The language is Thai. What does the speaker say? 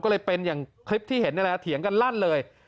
ก็เลยเป็นอย่างคลิปที่เห็นนี่แหละเถียงกันลั่นเลย